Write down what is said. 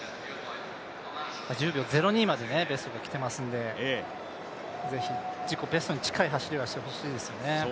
１０秒０２までベストが来ていますので、ぜひ自己ベストに近い走りをしてほしいですね。